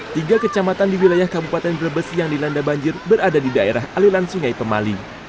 tiga kecamatan di wilayah kabupaten brebes yang dilanda banjir berada di daerah aliran sungai pemali